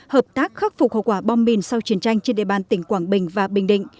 hợp tác khắc phục hậu quả bom mìn sau chiến tranh trên địa bàn tỉnh quảng bình và bình định